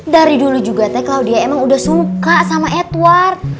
dari dulu juga teh kalau dia emang udah suka sama edward